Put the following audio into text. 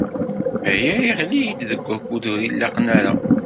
Aya yeɣli-d deg-wakud ur ilaqen ara.